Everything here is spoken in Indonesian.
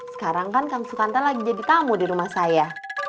sekarang kan kang sukanta lagi jadi tamu di rumah saya